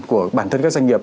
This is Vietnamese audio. của bản thân các doanh nghiệp